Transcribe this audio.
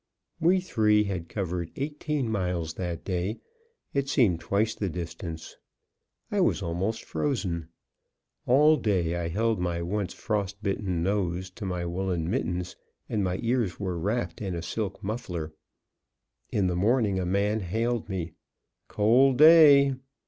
We three had covered eighteen miles that day; it seemed twice the distance. I was almost frozen. All day I held my once frost bitten nose in my woolen mittens, and my ears were wrapped in a silk muffler. In the morning a man hailed me: "Cold day!"